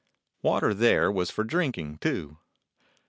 Water there was for drinking, too.